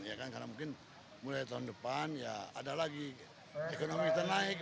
ya kan karena mungkin mulai tahun depan ya ada lagi ekonomi kita naik